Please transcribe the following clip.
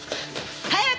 早く！